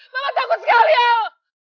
mama takut sekali al